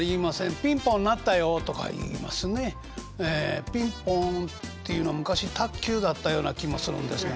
「ピンポン」っていうのは昔卓球だったような気もするんですが。